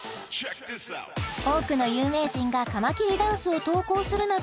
多くの有名人がカマキリダンスを投稿するなど